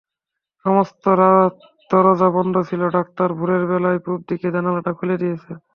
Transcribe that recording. সমস্ত রাত দরজা বন্ধ ছিল, ডাক্তার ভোরের বেলায় পুব দিকের জানালাটা খুলে দিয়েছে।